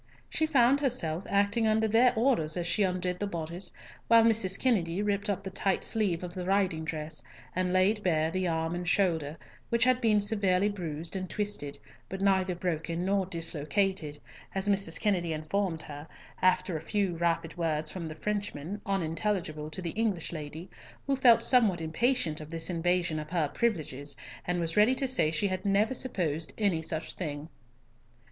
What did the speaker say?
She found herself acting under their orders as she undid the boddice, while Mrs. Kennedy ripped up the tight sleeve of the riding dress, and laid bare the arm and shoulder, which had been severely bruised and twisted, but neither broken nor dislocated, as Mrs. Kennedy informed her, after a few rapid words from the Frenchman, unintelligible to the English lady, who felt somewhat impatient of this invasion of her privileges, and was ready to say she had never supposed any such thing.